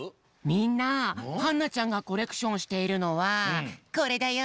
みんなはんなちゃんがコレクションしているのはこれだよ！